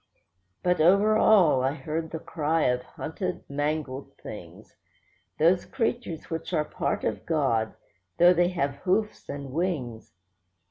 But over all I heard the cry of hunted, mangled things; Those creatures which are part of God, though they have hoofs and wings.